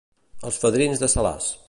Els fadrins de Salàs.